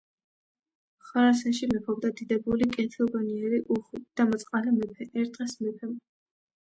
ხორასანში მეფობდა დიდებული, კეთილგონიერი, უხვი და მოწყალე მეფე. ერთ დღეს მეფემ